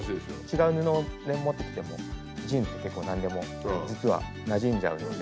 違う布を持ってきてもジーンズって結構何でも実はなじんじゃうので。